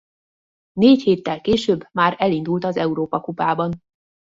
Négy héttel később már elindult az Európa Kupában.